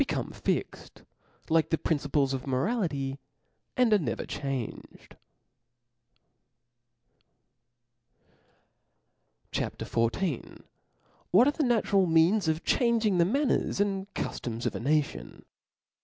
come fixed, like the principles of morality, and are never changed. CHAP. D F L A W 8, 443 CHAP. XIV. What are the natural Means of changing the Manners an4 Cujioms of a Nation.